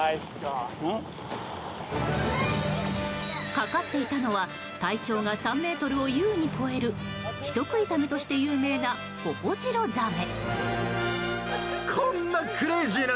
かかっていたのは体長が３ｍを優に超える人食いザメとして有名なホホジロザメ。